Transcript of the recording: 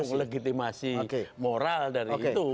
legitimasi moral dari itu